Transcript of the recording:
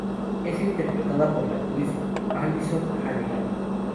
Es interpretada por la actriz Alyson Hannigan.